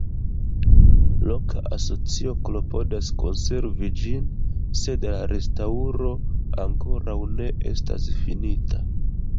Loka asocio klopodas konservi ĝin, sed la restaŭro ankoraŭ ne estas finita.